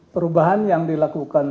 perubahan yang dilakukan